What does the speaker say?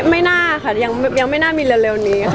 ไม่น่าค่ะยังไม่น่ามีเร็วนี้ค่ะ